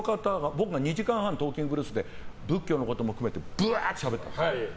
僕が２時間半「トーキングブルース」で仏教のことも含めてしゃべったの。